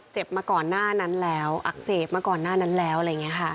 มาก่อนหน้านั้นแล้วอักเสบมาก่อนหน้านั้นแล้วอะไรอย่างนี้ค่ะ